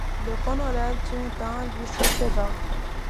Le colonel Tun Tin lui succéda.